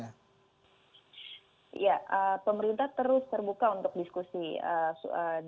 ya pemerintah terus terbuka untuk diskusi